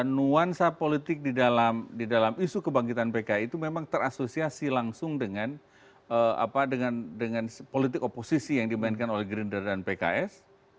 nuansa politik di dalam isu kebangkitan pki itu memang terasosiasi langsung dengan politik oposisi yang dimainkan oleh gerindra dan pks